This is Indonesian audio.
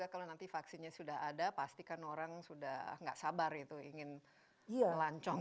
kalau nanti vaksinnya sudah ada pasti kan orang sudah gak sabar itu ingin melancong